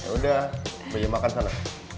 ya udah meja makan sana